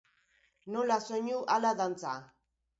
Nola soinu, hala dantza.